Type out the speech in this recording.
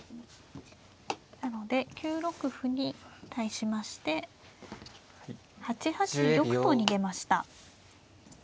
なので９六歩に対しまして８八玉と逃げました。